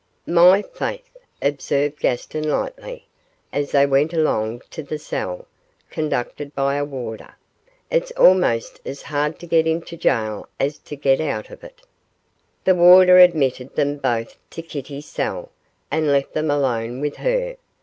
'My faith!' observed Gaston, lightly, as they went along to the cell, conducted by a warder, 'it's almost as hard to get into gaol as to get out of it.' The warder admitted them both to Kitty's cell, and left them alone with her.